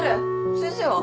先生は？